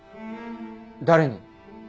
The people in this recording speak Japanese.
誰に？